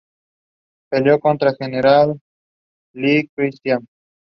Peleó junto al General Lee Christmas.